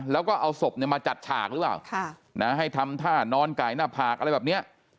แล้วก็เอาศพมาจัดฉากหรือเปล่าให้ทำท่านอนไก่หน้าผากอะไรแบบนี้